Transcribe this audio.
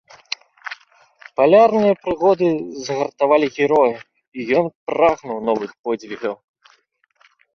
Палярныя прыгоды загартавалі героя, і ён прагнуў новых подзвігаў.